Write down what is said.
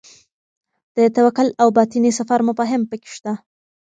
د توکل او باطني سفر مفاهیم پکې شته.